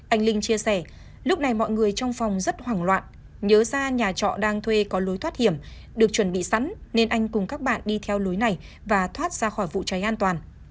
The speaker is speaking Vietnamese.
anh linh chia sẻ lúc này mọi người trong phòng rất hoảng loạn nhớ ra nhà trọ đang thuê có lối thoát hiểm được chuẩn bị sẵn nên anh cùng các bạn đi theo lối này và thoát ra khỏi vụ cháy an toàn